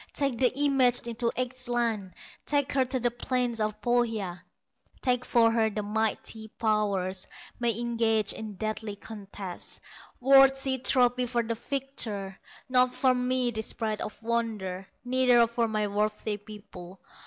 Take the image into Ehstland, Take her to the plains of Pohya, That for her the mighty powers May engage in deadly contest, Worthy trophy for the victor; Not for me this bride of wonder, Neither for my worthy people.